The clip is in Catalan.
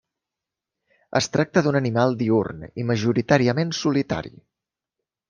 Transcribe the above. Es tracta d'un animal diürn i majoritàriament solitari.